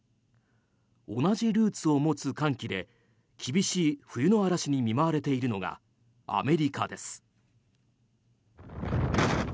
同じルーツを持つ寒気で厳しい冬の嵐に見舞われているのがアメリカです。